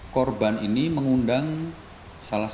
korban ini mengundang salah satu